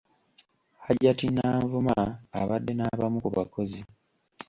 Hajat Nanvuma abadde n’abamu ku bakozi.